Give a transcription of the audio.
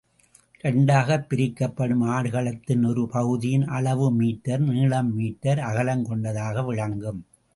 இரண்டாகப் பிரிக்கப்படும் ஆடுகளத்தின் ஒரு பகுதியின் அளவு மீட்டர் நீளம் மீட்டர் அகலம் கொண்டதாக விளங்கும்.